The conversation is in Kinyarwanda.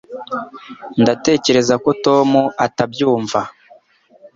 Ndatekereza ko Tom atabyumva